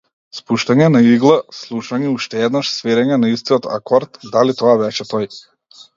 Спуштање на игла, слушање уште еднаш, свирење на истиот акорд, дали тоа беше тој?